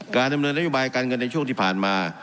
ดำเนินนโยบายการเงินในช่วงที่ผ่านมา